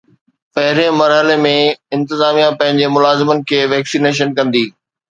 پهرين مرحلي ۾ انتظاميا پنهنجي ملازمن کي ويڪسينيشن ڪندي